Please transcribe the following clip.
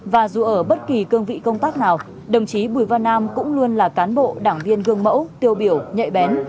và dù ở bất kỳ cương vị công tác nào đồng chí bùi văn nam cũng luôn là cán bộ đảng viên gương mẫu tiêu biểu nhạy bén